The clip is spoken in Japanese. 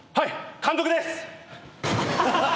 監督です！